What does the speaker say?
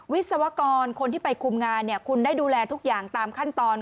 วิศวกรคนที่ไปคุมงานคุณได้ดูแลทุกอย่างตามขั้นตอน